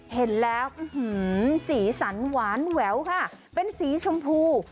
เห็นแล้วสีสันหวานแหววค่ะเป็นสีชมพู